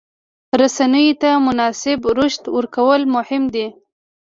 رسنیو ته مناسب رشد ورکول مهم دي.